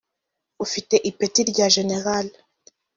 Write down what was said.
ufite ipeti rya Jenerali